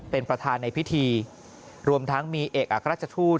เป็นประธานในพิธีรวมทั้งมีเอกอักราชทูต